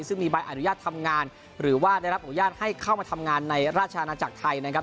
ซึ่งมีใบอนุญาตทำงานหรือว่าได้รับอนุญาตให้เข้ามาทำงานในราชอาณาจักรไทยนะครับ